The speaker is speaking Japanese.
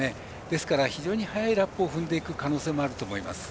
ですから非常に早いラップを踏んでいく可能性もあります。